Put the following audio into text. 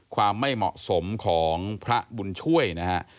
ความไม่เหมาะสมของพระบุญช่วยนะฮะ